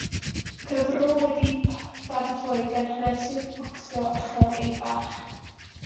Cyfrol wedi'i pharatoi gan hanesydd bocsio uchel ei barch.